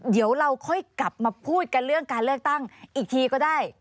เดี๋ยวเราค่อยกลับมาพูดกันเรื่องการเลือกตั้งอีกทีก็ได้